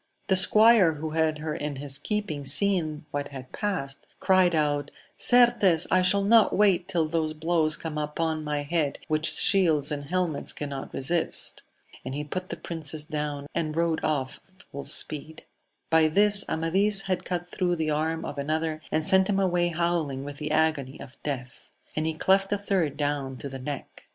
The squire who had her in his keeping seeing what had passed, cried Out, Certes I shall not wait till those blows come upon my head which shields and helmets cannot resist ! and he put the princess down, and rode off full speed. By this Amadis had cut thro' the arm of another, and sent him away howling with the agony of death ; and he cleft a third down to the neck.